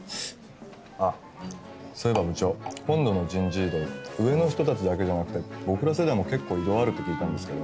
あっそういえば部長今度の人事異動上の人たちだけじゃなくて僕ら世代も結構異動あるって聞いたんですけど。